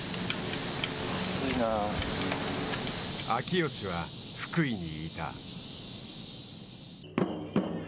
秋吉は福井にいた。